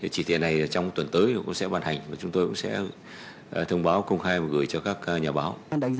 chỉ tiền này trong tuần tới cũng sẽ ban hành và chúng tôi cũng sẽ thông báo công khai và gửi cho các nhà báo